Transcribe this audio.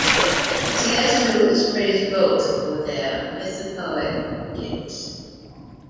C. S. Lewis praised both for their "mythopoeic" gifts.